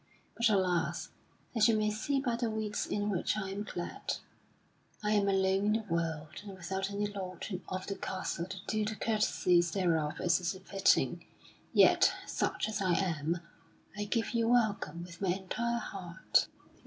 But, alas! as you may see by the weeds in which I am clad, I am alone in the world and without any lord of the castle to do the courtesies thereof as is fitting. Yet such as I am, I give you welcome with my entire heart."